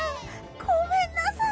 ごめんなさい！